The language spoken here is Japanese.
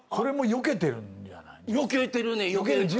よけてる。